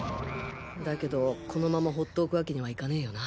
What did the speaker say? だけどこのまま放っておくわけにはいかねぇよな。